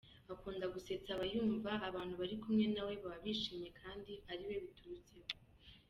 Akunda gusetsa aba yumva abantu bari kumwe nawe baba bishimye kandi ariwe biturutseho.